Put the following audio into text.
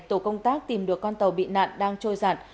tổ công tác tìm được con tàu bị nạn đang trôi giản